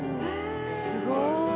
すごい。